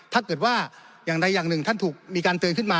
ถ้าเกิดว่าอย่างใดอย่างหนึ่งท่านถูกมีการเตือนขึ้นมา